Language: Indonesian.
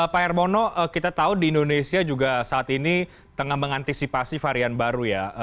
pak hermono kita tahu di indonesia juga saat ini tengah mengantisipasi varian baru ya